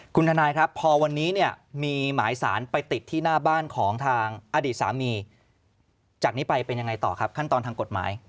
คุณทนายครับพอวันนี้เนี่ยมีหมายสารไปติดที่หน้าบ้านของทางอดีตสามีจากนี้ไปเป็นยังไงต่อครับขั้นตอนทางกฎหมาย